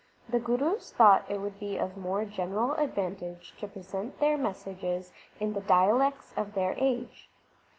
The Gurus thought it would be of more general advantage to present their messages in the dialects of their age.